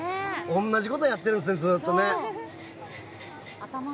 同じことやってるんですねずっとね。